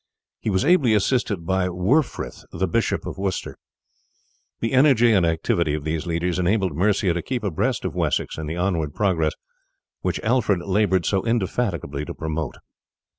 He was ably assisted by Werfrith, the Bishop of Worcester. The energy and activity of these leaders enabled Mercia to keep abreast of Wessex in the onward progress which Alfred laboured so indefatigably to promote.